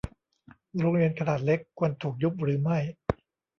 โรงเรียนขนาดเล็ก ควรถูกยุบหรือไม่